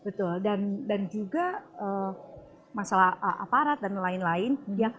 betul dan juga masalah aparat dan lain lain